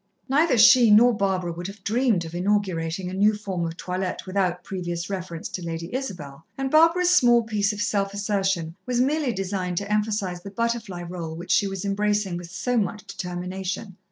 Neither she nor Barbara would have dreamed of inaugurating a new form of toilette without previous reference to Lady Isabel, and Barbara's small piece of self assertion was merely designed to emphasize the butterfly rôle which she was embracing with so much determination.